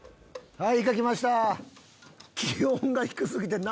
はい。